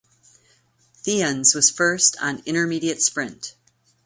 Theuns was first on intermediate sprint.